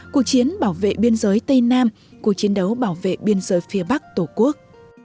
cuộc chiến bảo vệ biên giới tây nam cuộc chiến đấu bảo vệ biên giới phía bắc tổ quốc